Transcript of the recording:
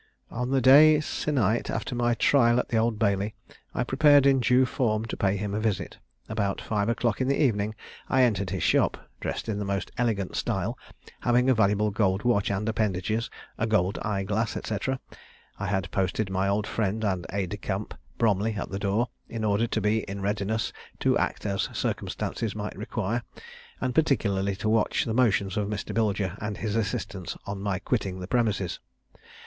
On the day se'nnight after my trial at the Old Bailey, I prepared in due form to pay him a visit. About five o'clock in the evening I entered his shop, dressed in the most elegant style, having a valuable gold watch and appendages, a gold eye glass, &c. I had posted my old friend and aid de camp, Bromley, at the door, in order to be in readiness to act as circumstances might require, and particularly to watch the motions of Mr. Bilger and his assistants on my quitting the premises.